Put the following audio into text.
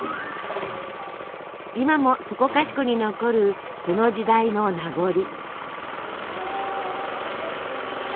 今もそこかしこに残るその時代の名残。